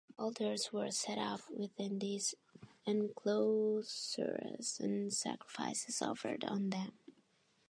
Altars were set up within these enclosures and sacrifices offered on them.